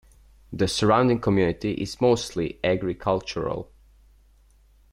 The surrounding community is mostly agricultural.